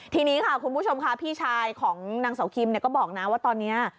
ทีนี้ค่ะคุณผู้ชมค่ะพี่ชายของนางเสาคิมก็บอกนะว่าตอนนี้